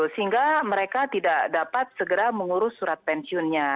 sehingga mereka tidak dapat segera mengurus surat pensiunnya